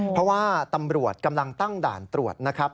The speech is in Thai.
เพราะว่าตำรวจกำลังตั้งด่านตรวจนะครับ